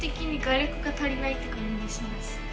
って感じがします。